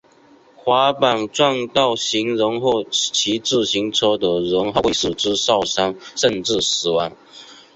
滑板撞到行人或骑自行车的人后会使之受伤甚至死亡。